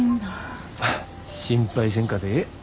心配せんかてええ。